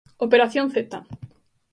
Operación Zeta.